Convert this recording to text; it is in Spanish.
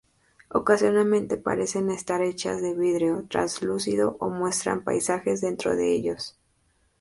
Ocasionalmente, parecen estar hechas de vidrio translúcido o muestran paisajes dentro de ellos.